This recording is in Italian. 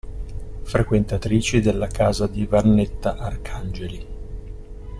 Frequentatrici della casa di Vannetta Arcangeli.